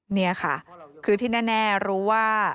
นี่ค่ะคือที่แน่รู้ว่า